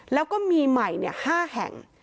แล้วก็มีใหม่๕แห่ง